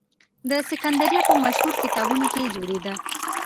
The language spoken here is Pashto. د سکندریه په مشهور کتابتون کې جوړېده.